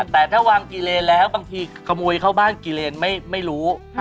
แต่ถ้าวางกี่เลนแล้วบางทีขโมยเข้าบ้านกี่เลนไม่รู้